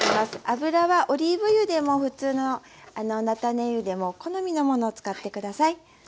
油はオリーブ油でも普通の菜種油でも好みのものを使って下さい。